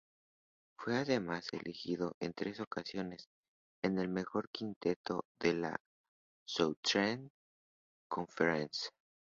Fue además elegido en tres ocasiones en el mejor quinteto de la Southern Conference.